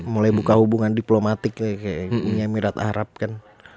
mulai buka hubungan diplomatiknya kayak emirat arab kan